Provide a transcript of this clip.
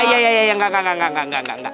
ya ya ya enggak enggak enggak enggak